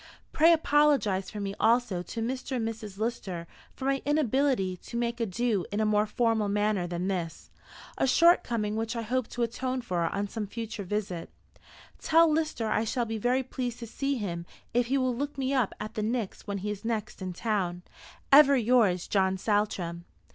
Pray apologise for me also to Mr. and Mrs. Lister for my inability to make my adieux in a more formal manner than this, a shortcoming which I hope to atone for on some future visit. Tell Lister I shall be very pleased to see him if he will look me up at the Pnyx when he is next in town. "Ever yours, JOHN SALTRAM."